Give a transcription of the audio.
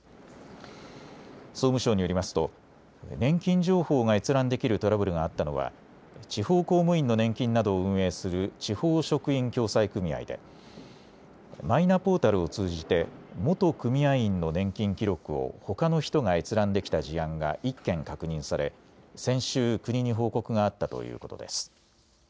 総務省によりますと年金情報が閲覧できるトラブルがあったのは地方公務員の年金などを運営する地方職員共済組合でマイナポータルを通じて元組合員の年金記録をほかの人が閲覧できた事案が１件確認され、先週国に報告があったということです。